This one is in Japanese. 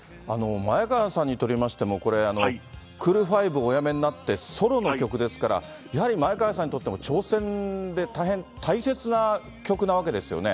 前川さんにとりましても、これ、クールファイブをお辞めになってソロの曲ですから、やはり前川さんにとっても挑戦で、大変大切な曲なわけですよね。